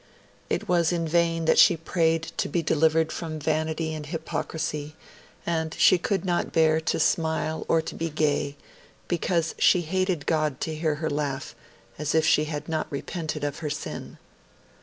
It was in vain that she prayed to be delivered from vanity and hypocrisy, and she could not bear to smile or to be gay, 'because she hated God to hear her laugh, as if she had not repented of her sin'.